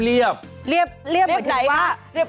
เรียบเหมือนไหนค่ะ